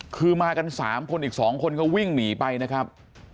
คือมากัน๓คนอีก๒คนก็วิ่งหนีไปนะครับ